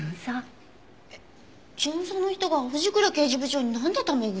えっ巡査の人が藤倉刑事部長になんでため口？